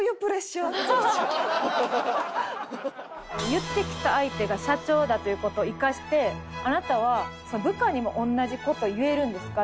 言ってきた相手が社長だという事を生かして「あなたは部下にも同じ事言えるんですか」